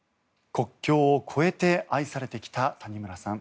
国境を超えて愛されてきた谷村さん。